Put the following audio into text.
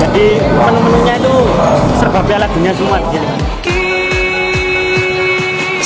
jadi penuh penuhnya itu serba piala dunia semua